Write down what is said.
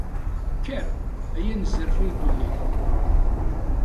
Kker, ay anezzarfu n ddunit.